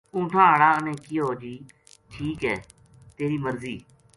اونٹھاں ہاڑا نے کہیو جی ٹھیک ہے تیری مرضی